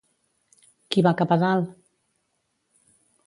Qui va cap a dalt?